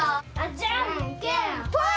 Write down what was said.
じゃんけんぽい！